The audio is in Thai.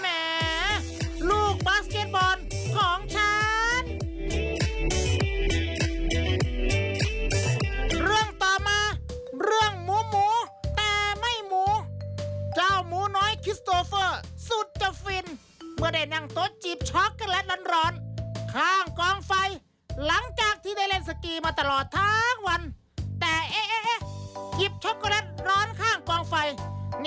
แหมลูกบาสเก็ตบอลของฉัน